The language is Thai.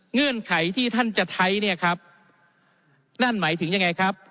เงื่อนไขที่ท่านจะใช้เนี่ยครับนั่นหมายถึงยังไงครับ